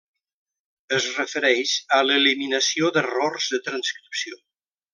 Es refereix a l'eliminació d'errors de transcripció.